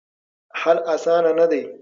حل اسانه نه دی.